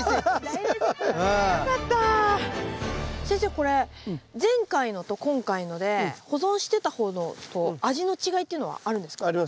先生これ前回のと今回ので保存してた方のと味の違いっていうのはあるんですか？